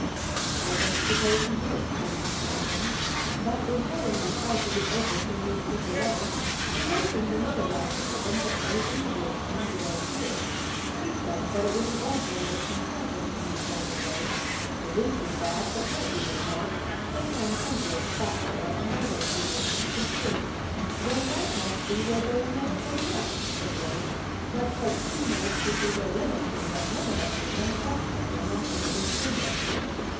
"I don't suppose he did," Frank informed him, "but in telling me how to get over to his little lodge he mentioned another log cabin that lay in the woods on the way here. He said it was an old one that some trappers had used long ago. The roof was bad, but might be repaired. Sometimes hunters stopped there a night or two when passing through." "Then that must be where those men are putting up," said Will. "Let's hope two nights will be their limit, and that none of us run across them when off in the big timber."